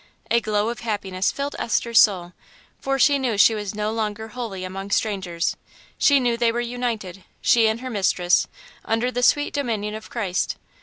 A glow of happiness filled Esther's soul, for she knew she was no longer wholly among strangers; she knew they were united she and her mistress under the sweet dominion of Christ.